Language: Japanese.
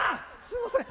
すみません。